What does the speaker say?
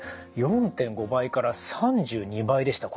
４．５倍３２倍でした。